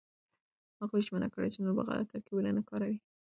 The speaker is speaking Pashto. هغوی ژمنه کړې چې نور به غلط ترکيبونه نه کاروي.